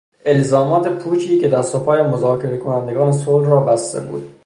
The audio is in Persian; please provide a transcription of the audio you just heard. الزامات پوچی که دست و پای مذاکره کنندگان صلح را بسته بود